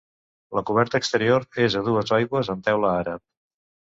La coberta exterior és a dues aigües amb teula àrab.